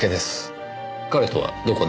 彼とはどこで？